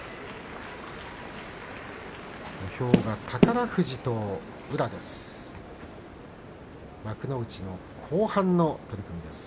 土俵は宝富士と宇良です。